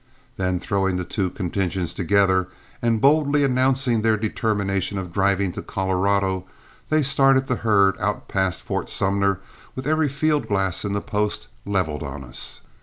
Then, throwing the two contingents together, and boldly announcing their determination of driving to Colorado, they started the herd out past Fort Sumner with every field glass in the post leveled on us.